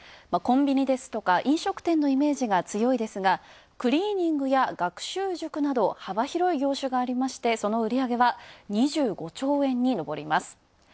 コンビニですとか飲食店のイメージが強いですが、クリーニングや学習塾など幅広い業種がありまして、その売り上げは２５兆円に上ります。